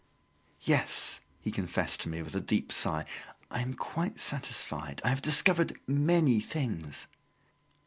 "Yes," he confessed to me, with a deep sigh. "I am quite satisfied. I have discovered many things."